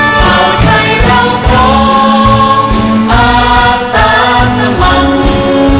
ข่าวไทยเราพร้อมอาสาสมัคร